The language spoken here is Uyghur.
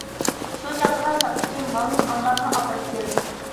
شۇ چاغدىلا ساتقۇچى مالنى ئامبارغا ئاپىرىپ بېرىدۇ.